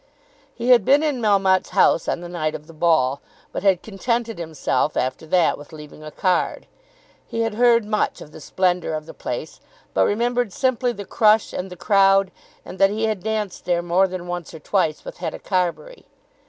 He had been in Melmotte's house on the night of the ball, but had contented himself after that with leaving a card. He had heard much of the splendour of the place, but remembered simply the crush and the crowd, and that he had danced there more than once or twice with Hetta Carbury.